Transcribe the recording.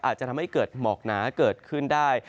อาจจะทำให้เกิดหมอกหนาเกิดขึ้นได้